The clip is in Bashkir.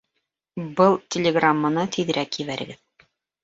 Был телеграмманы тиҙерәк ебәрегеҙ